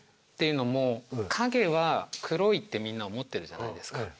っていうのも影は黒いってみんな思ってるじゃないですか。